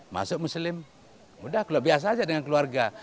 masuk muslim udah kalau biasa aja dengan keluarga